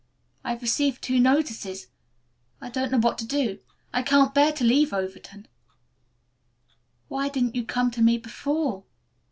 I've received two notices. I don't know what to do. I can't bear to leave Overton." "Why didn't you come to me before?"